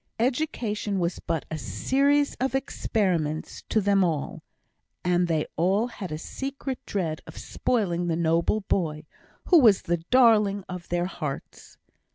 Education was but a series of experiments to them all, and they all had a secret dread of spoiling the noble boy, who was the darling of their hearts.